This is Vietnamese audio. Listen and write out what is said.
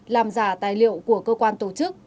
làm giả tài liệu của cơ quan tổ chức